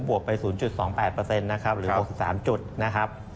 บวกไป๐๒๘เปอร์เซ็นต์นะครับหรือ๖๓จุดนะครับ